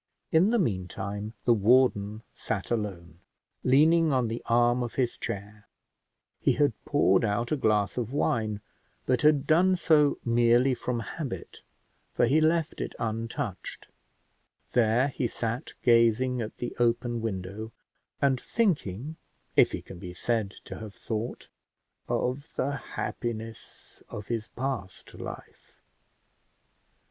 In the meantime the warden sat alone, leaning on the arm of his chair; he had poured out a glass of wine, but had done so merely from habit, for he left it untouched; there he sat gazing at the open window, and thinking, if he can be said to have thought, of the happiness of his past life.